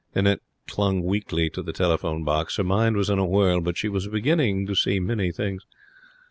Annette clung weakly to the telephone box. Her mind was in a whirl, but she was beginning to see many things.